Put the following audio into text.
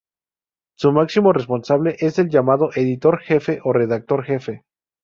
Su máximo responsable es el llamado editor jefe o redactor jefe.